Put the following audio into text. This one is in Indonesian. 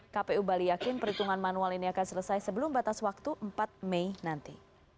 kpu bali yakin perhitungan manual ini akan selesai sebelum batas waktu empat mei nanti